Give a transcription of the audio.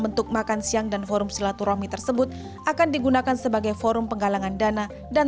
bentuk makan siang dan forum silaturahmi tersebut akan digunakan sebagai forum penggalangan dana dan